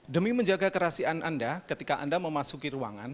demi menjaga kerasian anda ketika anda memasuki ruangan